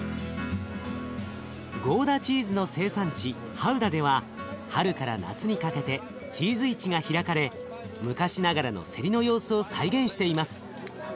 ハウダでは春から夏にかけてチーズ市が開かれ昔ながらの競りの様子を再現しています。